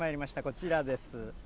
こちらです。